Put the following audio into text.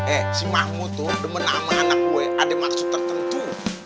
eh si mahmu tuh demen sama anak gue ada maksud tertentu